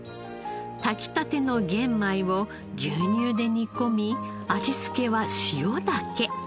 炊きたての玄米を牛乳で煮込み味付けは塩だけ。